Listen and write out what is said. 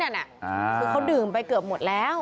คือเขาดื่มไปเกือบหมดแล้ว